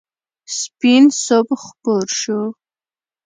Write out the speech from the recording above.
سپین صبح خپور شو.